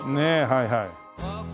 はいはい。